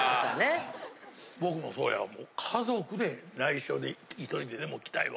僕もそうやわ家族で内緒に１人ででも来たいわ。